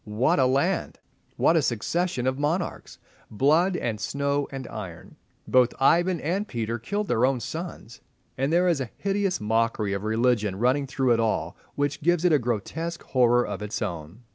What a land! What a succession of monarchs! Blood and snow and iron! Both Ivan and Peter killed their own sons. And there is a hideous mockery of religion running through it all which gives it a grotesque horror of its own.